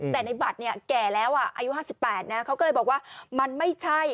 แต่ในบัตรเนี่ยแก่แล้วอายุ๕๘นะเขาก็เลยบอกว่ามันไม่ใช่